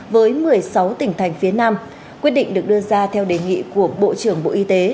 với một mươi sáu tỉnh thành phía nam quyết định được đưa ra theo đề nghị của bộ trưởng bộ y tế